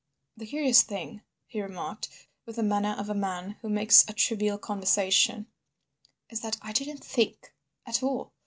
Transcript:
"The curious thing," he remarked, with the manner of a man who makes a trivial conversation, "is that I didn't think—at all.